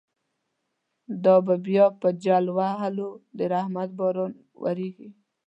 دا به بیا په جل وهلو، د رحمت باران وریږی